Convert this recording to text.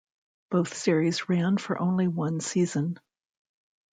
Both series ran for only one season.